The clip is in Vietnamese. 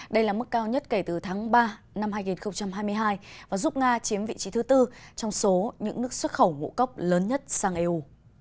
đây là mức cao nhất kể từ tháng ba năm hai nghìn hai mươi hai và giúp nga chiếm vị trí thứ tư trong số những nước xuất khẩu ngũ cốc lớn nhất sang eu